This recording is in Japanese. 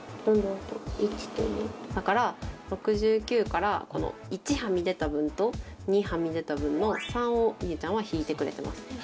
６９から１はみ出た分と、２はみ出た分の３を美羽ちゃんは引いてくれています。